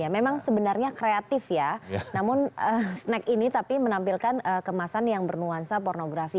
memang sebenarnya kreatif ya namun snack ini tapi menampilkan kemasan yang bernuansa pornografi